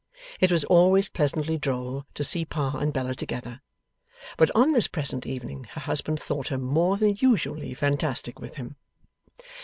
It was always pleasantly droll to see Pa and Bella together; but on this present evening her husband thought her more than usually fantastic with him.